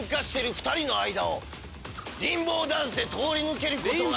２人の間をリンボーダンスで通り抜けることが